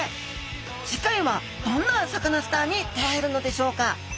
次回はどんなサカナスターに出会えるのでしょうか？